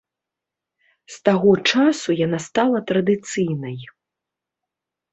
З таго часу яна стала традыцыйнай.